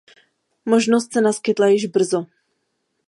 Možnost se naskytla již brzo.